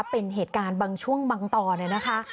เป็นเหตุการณ์บางช่วงบางตอนเลยนะคะ